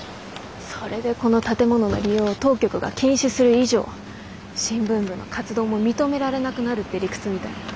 それでこの建物の利用を当局が禁止する以上新聞部の活動も認められなくなるって理屈みたい。